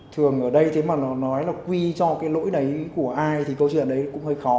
thường ở đây thế mà nó nói là quy cho cái lỗi đấy của ai thì câu chuyện đấy cũng hơi khó